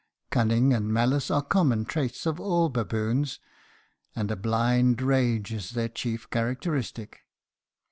Cunning and malice are common traits of all baboons, and a blind rage is their chief characteristic.